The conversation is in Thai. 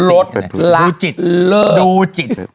ลดรักดูจิต